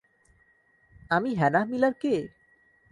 আমি Hannah Miller কে!